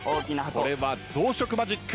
これは増殖マジック。